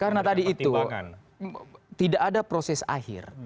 karena tadi itu tidak ada proses akhir